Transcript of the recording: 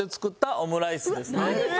オムライス